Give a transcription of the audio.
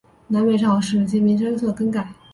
南北朝时期名称有所更改。